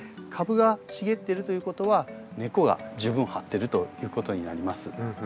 株が茂ってるということは根っこが十分張ってるということになります。